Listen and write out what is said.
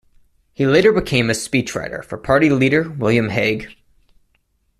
He later became a speechwriter for party leader William Hague.